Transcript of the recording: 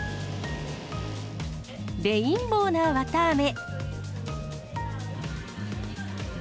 レインボーなわたあめ。